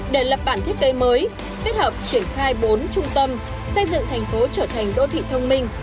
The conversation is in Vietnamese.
để lập bản thiết kế mới kết hợp triển khai bốn trung tâm xây dựng thành phố trở thành đô thị thông minh